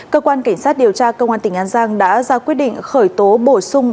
cơ quan cảnh sát điều tra công an tỉnh an giang đã ra quyết định khởi tố bổ sung